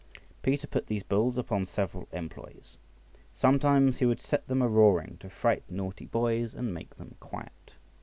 Peter put these bulls upon several employs. Sometimes he would set them a roaring to fright naughty boys and make them quiet.